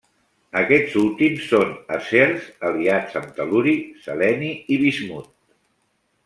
Aquests últims són acers aliats amb tel·luri, seleni i bismut.